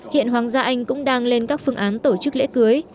hiện hoàng gia anh cũng đang lên các phương án tổ chức lễ cưới